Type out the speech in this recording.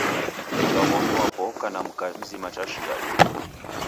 Mundu wa w'omi wapo oka na mka mzima cha shighadi